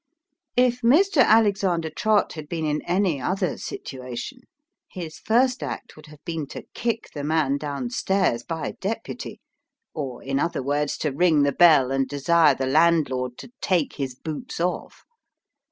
If Mr. Alexander Trott had been in any other situation, his first act would have been to kick the man down stairs by deputy ; or, in other words, to ring the bell, and desire the landlord to take his boots off.